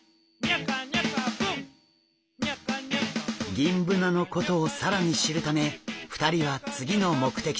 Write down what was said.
ギンブナのことを更に知るため２人は次の目的地へ！